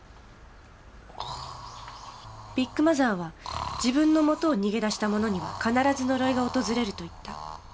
ビッグマザーは自分のもとを逃げ出した者には必ず呪いが訪れると言った。